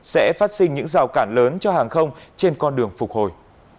sẽ phát sinh những rào cản lớn cho hàng không trên con đường phục hồi